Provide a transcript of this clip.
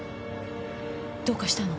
どうかしたの？